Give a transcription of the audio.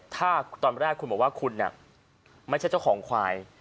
ถ้าตอนแรกคุณบอกว่าคุณไม่ใช่เจ้าของควาย